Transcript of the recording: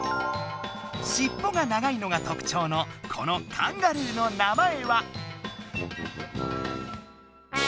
しっぽが長いのがとくちょうのこのカンガルーの名前は？